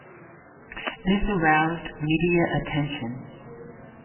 This aroused media attention.